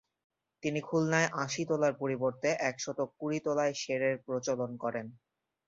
তিনি খুলনায় আশি তোলার পরিবর্তে একশত কুড়ি তোলায় সের-এর প্রচলন করেন।